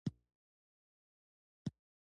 معلومه نه ده چي مخالفينو به هغه وخت په دې خبري